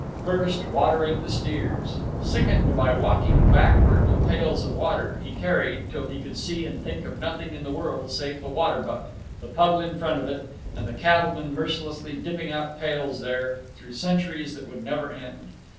First, watering the steers. Sickened by walking backward with pails of water he carried till he could see and think of nothing in the world save the water butt, the puddle in front of it, and the cattlemen mercilessly dipping out pails there, through centuries that would never end.